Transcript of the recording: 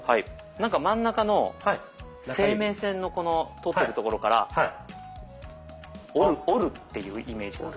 なんか真ん中の生命線のこの通ってるところから折る折るっていうイメージかな。